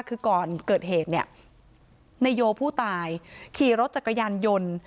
คือก่อนเกิดเหตุเนี่ยนายโยผู้ตายขี่รถจักรยานยนต์